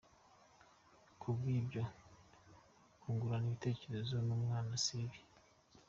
Ku bw’ibyo, kungurana ibitekerezo n’umwana si bibi.